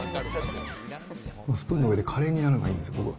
スプーンの上でカレーになるのがいいんです、僕。